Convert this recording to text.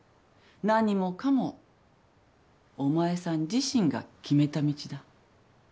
何もかもお前さん自身が決めた道だ。